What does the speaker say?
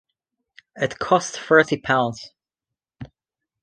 It costs thirty pounds.